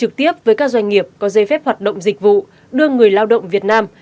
trực tiếp với các doanh nghiệp có dây phép hoạt động dịch vụ đưa người lao động việt nam